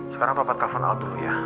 sekarang papa telfon al dulu ya